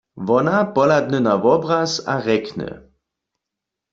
Wona pohladny na wobraz a rjekny.